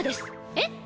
えっ！